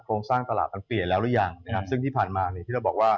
โอ้บางทีลงมาปุ้บ